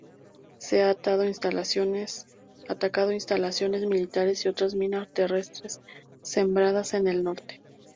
Se ha atacado instalaciones militares y otras minas terrestres sembradas en el norte.